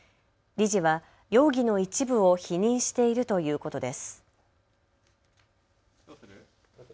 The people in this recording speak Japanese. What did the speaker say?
理事は容疑の一部を否認しているということです。